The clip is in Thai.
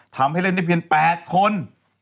ทำให้เล่นได้เพียง๘คน